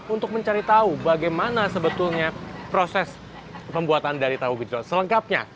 untuk mencari tahu bagaimana sebetulnya proses pembuatan dari tahu gejot selengkapnya